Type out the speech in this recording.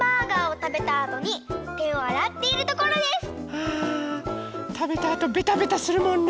たべたあとベタベタするもんね。